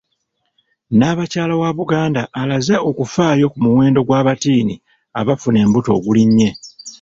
Nnaabakyala wa Buganda alaze okufaayo ku muwendo gw'abattiini abafuna embuto ogulinnya.